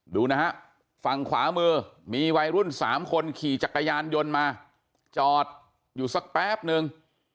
ดูนะฮะฝั่งขวามือมีวัยรุ่น๓คนขี่จักรยานยนต์มาจอดอยู่สักแป๊บนึง